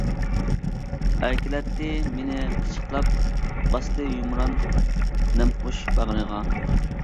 ئەركىلەتتى مېنى قىچىقلاپ، باستى يۇمران نەمخۇش باغرىغا.